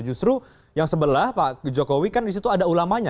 justru yang sebelah pak jokowi kan disitu ada ulamanya